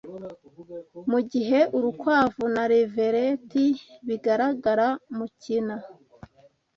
Mugihe urukwavu na levereti bigaragara mukina,